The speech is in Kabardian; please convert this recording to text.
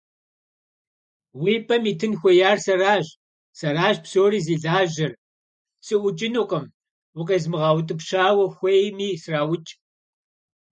Уи пӀэм итын хуеяр сэращ, сэращ псори зи лажьэр, сыӀукӀынукъым укъезмыгъэутӀыпщауэ, хуейми сраукӀ!